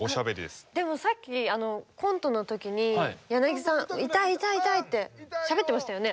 でもさっきコントのときにヤナギさん「痛い痛い痛い」ってしゃべってましたよね。